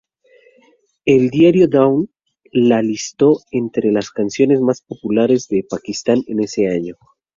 El diario Dawn la listó entre las canciones más populares de Pakistán ese año.